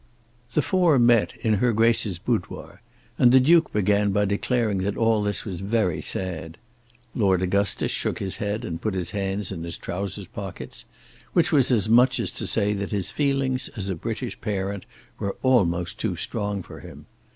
The four met in her Grace's boudoir, and the Duke began by declaring that all this was very sad. Lord Augustus shook his head and put his hands in his trousers pockets, which was as much as to say that his feelings as a British parent were almost too strong for him.